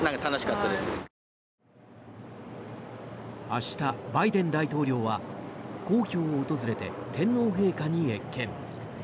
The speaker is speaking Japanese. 明日、バイデン大統領は皇居を訪れて天皇陛下に謁見。